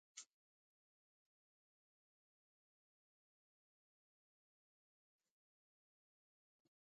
د ښځو حق ورته وسپارئ.